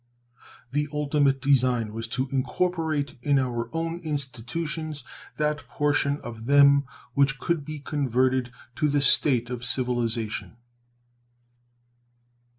The ultimate design was to incorporate in our own institutions that portion of them which could be converted to the state of civilization.